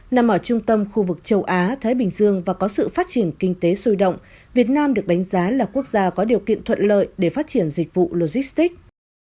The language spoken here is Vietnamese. nằm ở trung tâm khu vực châu á thái bình dương và có sự phát triển kinh tế sôi động việt nam được đánh giá là quốc gia có điều kiện thuận lợi để phát triển dịch vụ logistics